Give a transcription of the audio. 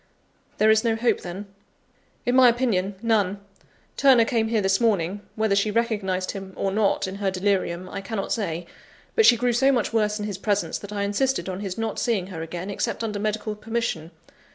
"There is no hope, then?" "In my opinion, none. Turner came here this morning, whether she recognised him, or not, in her delirium, I cannot say; but she grew so much worse in his presence, that I insisted on his not seeing her again, except under medical permission.